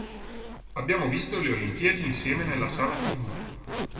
Abbiamo visto le Olimpiadi insieme nella sala TV.